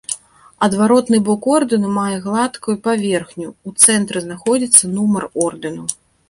Адваротны бок ордэну мае гладкую паверхню, у цэнтры знаходзіцца нумар ордэну.